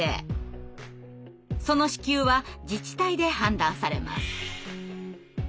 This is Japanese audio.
その支給は自治体で判断されます。